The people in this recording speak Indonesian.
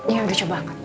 ya udah coba angkat pak